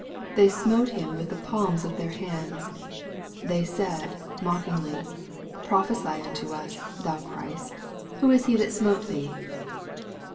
"They smote him with the palms of their hands." They said, mockingly, "Prophesy unto us, thou Christ, who is he that smote thee